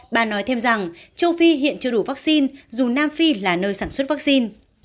bà nói thêm rằng châu phi hiện chưa đủ vaccine dù nam phi là nơi sản xuất vaccine